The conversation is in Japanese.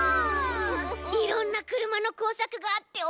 いろんなくるまのこうさくがあっておもしろいな！